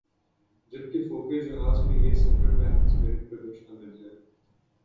جبکہ فوکر جہاز میں یہ سفر پینتایس منٹ پر مشتمل ہے ۔